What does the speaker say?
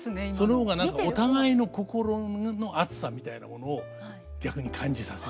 その方が何かお互いの心の熱さみたいなものを逆に感じさせてくれる。